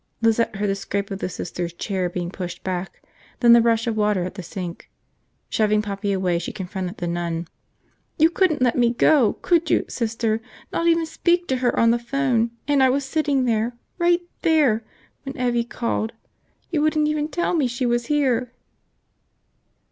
Lizette heard the scrape of the Sister's chair being pushed back, then the rush of water at the sink. Shoving Poppy away, she confronted the nun. "You couldn't let me go, could you, Sister, not even speak to her on the phone, and I was sitting there, right there, when Evvie called! You wouldn't even tell me she was here!"